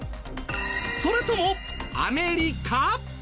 それともアメリカ？